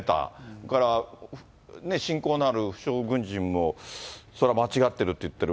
それから親交のある負傷軍人も、それ間違ってるって言ってる。